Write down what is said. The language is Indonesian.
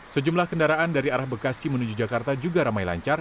sejumlah kendaraan dari arah bekasi menuju jakarta juga ramai lancar